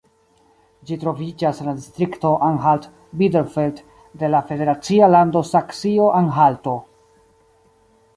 Ĝi troviĝas en la distrikto Anhalt-Bitterfeld de la federacia lando Saksio-Anhalto.